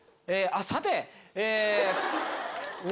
あっさて！